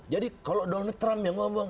jadi kalau donald trump yang ngomong